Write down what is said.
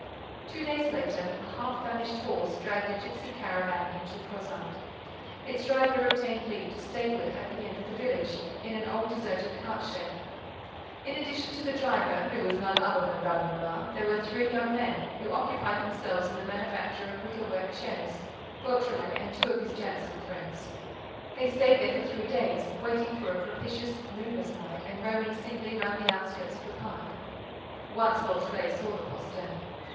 Two days later, a half famished horse dragged a gipsy caravan into Crozant. Its driver obtained leave to stable it at the end of the village, in an old deserted cart shed. In addition to the driver, who was none other than Valméras, there were three young men, who occupied themselves in the manufacture of wicker work chairs: Beautrelet and two of his Janson friends. They stayed there for three days, waiting for a propitious, moonless night and roaming singly round the outskirts of the park. Once Beautrelet saw the postern.